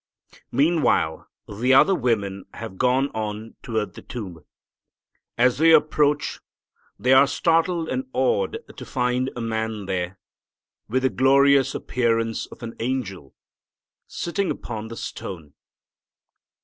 Meanwhile the other women have gone on toward the tomb. As they approach they are startled and awed to find a man there, with the glorious appearance of an angel, sitting upon the stone.